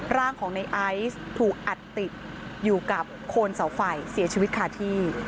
ร่างของในไอซ์ถูกอัดติดอยู่กับโคนเสาไฟเสียชีวิตคาที่